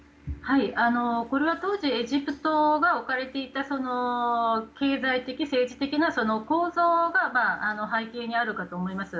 これは当時エジプトが置かれていた経済的、政治的な構造が背景にあるかと思います。